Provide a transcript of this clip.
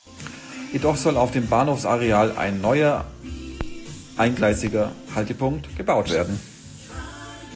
Jedoch soll auf dem Bahnhofsareal ein neuer eingleisiger Haltepunkt gebaut werden.